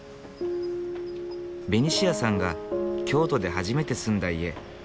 ベニシアさんが京都で初めて住んだ家。